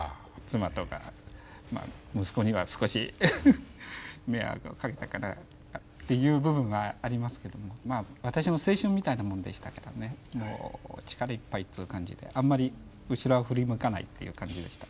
妻とか息子には少し迷惑をかけたかなっていう部分はありますけども私の青春みたいなもんでしたからね力いっぱいっていう感じであんまり後ろは振り向かないっていう感じでしたね。